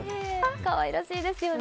かわいらしいですよね。